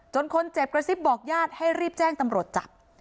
คนเจ็บกระซิบบอกญาติให้รีบแจ้งตำรวจจับ